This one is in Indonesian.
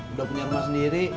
udah punya rumah sendiri